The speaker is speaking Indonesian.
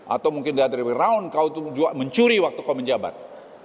atau mungkin dari wayround kau juga mencuri waktu kau menjabat